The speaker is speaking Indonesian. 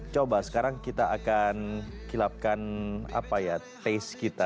coba sekarang kita akan kilapkan apa ya taste kita